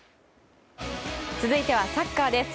続いてはサッカーです。